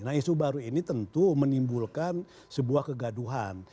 nah isu baru ini tentu menimbulkan sebuah kegaduhan